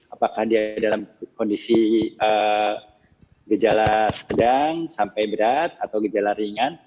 apakah dia dalam kondisi gejala sedang sampai berat atau gejala ringan